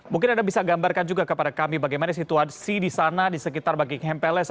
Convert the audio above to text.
mungkin anda bisa gambarkan juga kepada kami bagaimana situasi di sana di sekitar buckingham palace